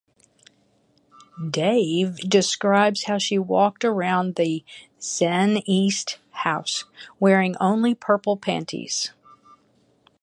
"Dave" describes how she walked around the "Zen-East House" wearing only purple panties.